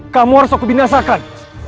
kamu harus aku binasakan